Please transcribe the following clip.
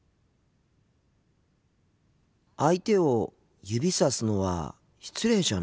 相手を指さすのは失礼じゃないんですか？